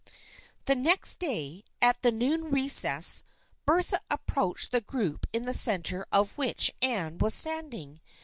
The next day, at the noon recess, Bertha ap proached the group in the centre of which Anne was standing.